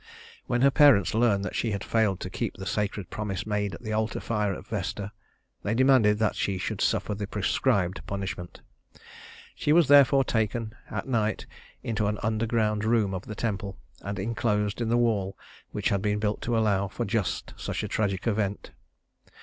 When her parents learned that she had failed to keep the sacred promise made at the altar fire of Vesta, they demanded that she should suffer the prescribed punishment. She was therefore taken at night into an underground room of the temple and inclosed in the wall which had been built to allow for just such a tragic event.